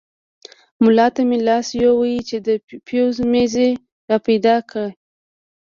ملا ته مې لاس يووړ چې د فيوز مزي راپيدا کړم.